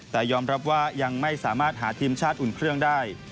แต่ยอมรับว่ายังไม่สามารถหาทีมชาติอุ่นเครื่องได้